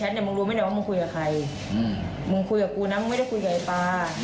มึงคุยกับกูนะมึงไม่ได้คุยกับไอ้ป่า